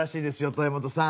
豊本さん。